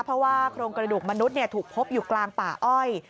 เพราะว่าโครงกระดูกมนุษย์ถูกพบอยู่กลางป่าอ้อย